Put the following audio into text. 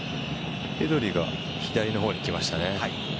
ペドリが左の方に来ましたね。